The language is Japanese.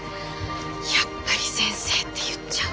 やっぱり先生って言っちゃう。